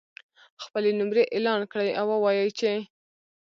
خپلې نمرې اعلان کړي او ووایي چې